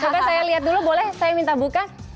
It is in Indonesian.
oke saya lihat dulu boleh saya minta buka